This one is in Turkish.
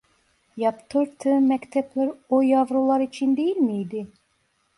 Yaptırttığı mektepler o yavrular için değil miydi?